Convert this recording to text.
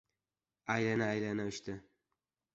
Aylana-aylana uchdi.